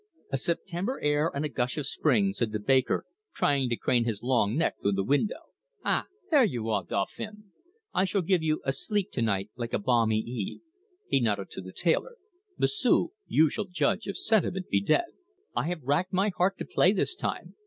"A September air, and a gush of spring," said the baker, trying to crane his long neck through the window. "Ah, there you are, Dauphin! I shall give you a sleep to night like a balmy eve." He nodded to the tailor. "M'sieu', you shall judge if sentiment be dead. "I have racked my heart to play this time.